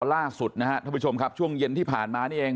ล่าสุดนะครับท่านผู้ชมครับช่วงเย็นที่ผ่านมานี่เอง